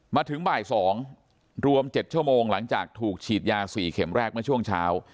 มาถึงบ่ายสองรวมเจ็ดชั่วโมงหลังจากถูกฉีดยาสี่เข็มแรกมาช่วงเช้า